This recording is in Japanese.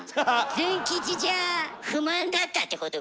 ズン吉じゃ不満だったってことか？